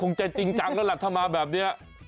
คงจะจริงจังแล้วล่ะถ้ามาแบบนี้